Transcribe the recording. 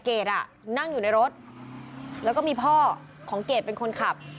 เกดอ่ะนั่งอยู่ในรถแล้วก็มีพ่อของเกดเป็นคนขับ